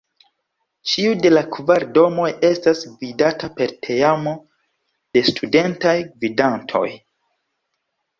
Ĉiu de la kvar domoj estas gvidata per teamo de Studentaj Gvidantoj.